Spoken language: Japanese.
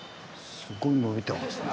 すごいのびてますね。